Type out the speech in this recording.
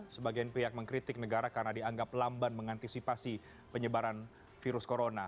sebagian pihak mengkritik negara karena dianggap lamban mengantisipasi penyebaran virus corona